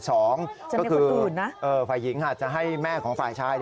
ก็คือฝ่ายหญิงอาจจะให้แม่ของฝ่ายชาย